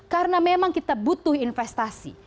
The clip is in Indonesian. karena memang kita butuh investasi